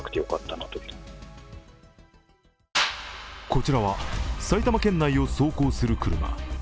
こちらは埼玉県内を走行する車。